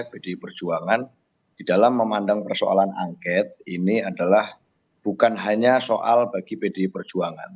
pdi perjuangan di dalam memandang persoalan angket ini adalah bukan hanya soal bagi pdi perjuangan